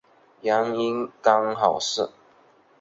原因刚好是